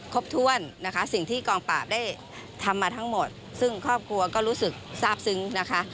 ครบถ้วนนะคะสิ่งที่กองปราบได้ทำมาทั้งหมดซึ่งครอบครัวก็รู้สึกทราบซึ้งนะคะ